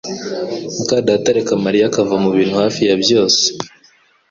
muka data areka Mariya akava mubintu hafi ya byose